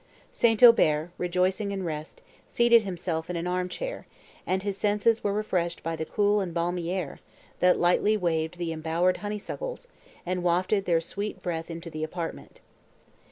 St. Aubert, rejoicing in rest, seated himself in an arm chair, and his senses were refreshed by the cool and balmy air, that lightly waved the embowering honeysuckles, and wafted their sweet breath into the apartment.